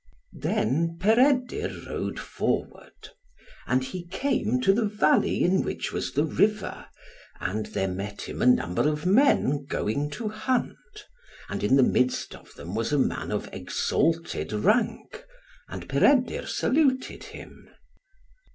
Then Peredur rode forward. And he came to the valley in which was the river, and there met him a number of men going to hunt, and in the midst of them was a man of exalted rank, and Peredur saluted him.